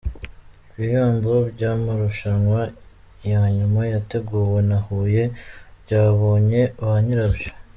Ibihembo by’amarushanwa ya nyuma yateguwe na huye byabonye ba nyirabyo